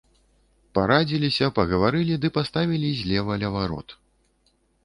Парадзіліся, пагаварылі ды паставілі злева ля варот.